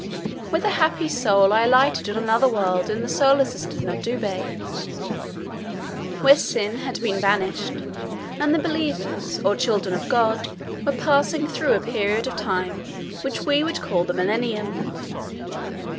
With a happy soul I alighted on another world in the solar system of Dubhe where sin had been banished, and the believers, or children of God, were passing through a period of time which we would call the Millennium.